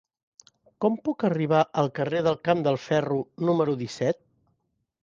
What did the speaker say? Com puc arribar al carrer del Camp del Ferro número disset?